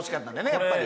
やっぱり。